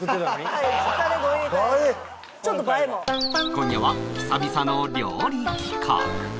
今夜は久々の料理企画